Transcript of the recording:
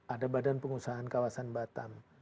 ada badan pengusahaan kawasan batam